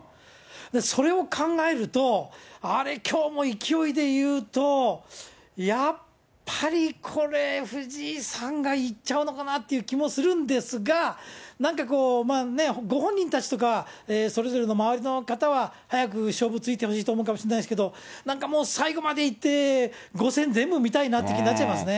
それを考えると、あれ、きょうも勢いでいうと、やっぱりこれ、藤井さんがいっちゃうのかなという気もするんですが、なんかこう、まあね、ご本人たちとかは、それぞれの周りの方は、早く勝負ついてほしいと思うかもしれないですけど、なんかもう、最後まで行って、５戦全部見たいなって気になっちゃいますね。